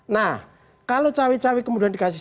nah kalau cewek cewek kemudian dikasih